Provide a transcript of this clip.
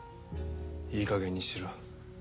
いいかげんにしろ。